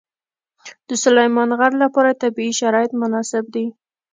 د سلیمان غر لپاره طبیعي شرایط مناسب دي.